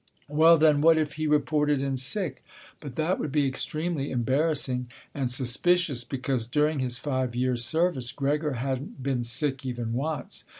Well then, what if he reported in sick? But that would be extremely embarrassing and suspicious, because during his five years' service Gregor hadn't been sick even once.